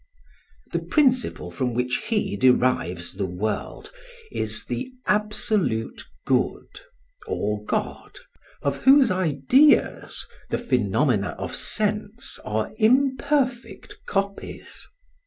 The principle from which he derives the World is the absolute Good, or God, of whose ideas the phenomena of sense are imperfect copies.